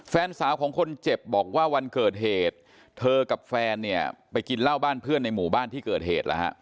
แฟนสาวของคนเจ็บบอกว่าวันเกิดเหตุเธอกับแฟนเนี่ยไปกินเหล้าบ้านเพื่อนในหมู่บ้านที่เกิดเหตุแล้วฮะ